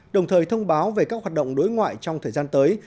đồng thời thông báo về các hoạt động đối ngoại trong thời gian tới